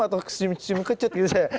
atau senyum kecut